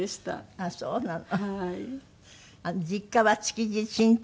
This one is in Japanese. ああそうなの。